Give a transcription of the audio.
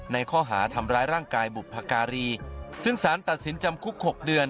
ในข้อหาทำร้ายร่างกายบุพการีซึ่งสารตัดสินจำคุก๖เดือน